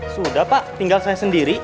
sudah pak tinggal saya sendiri